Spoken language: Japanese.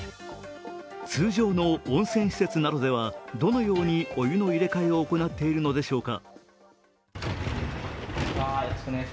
通常の温泉施設などではどのようにお湯の入れ替えを行っているのでしょうか。